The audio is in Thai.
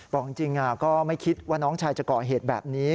บอกจริงก็ไม่คิดว่าน้องชายจะก่อเหตุแบบนี้